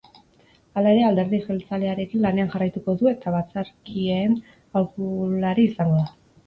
Hala ere, alderdi jeltzalearekin lanean jarraituko du eta batzarkieen aholkulari izango da.